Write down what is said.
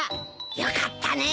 よかったね。